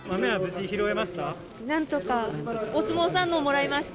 なんとか、お相撲さんのをもらえました。